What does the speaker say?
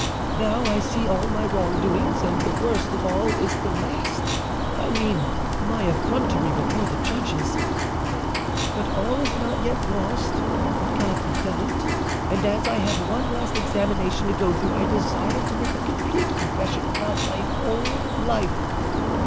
Now I see all my wrong doings, and the worst of all is the last—I mean my effrontery before the judges. But all is not yet lost, God be thanked; and as I have one last examination to go through, I desire to make a complete confession about my whole life.